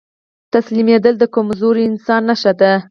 تسليمېدل د کمزوري انسان نښه ده.